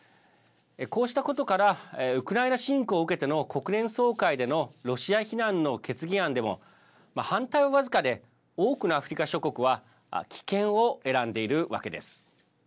こうしたことからウクライナ侵攻を受けての国連総会でのロシア非難の決議案でも反対は僅かで多くのアフリカ諸国は棄権を選んでいるわけです。